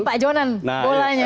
jadi di pak jonan bolanya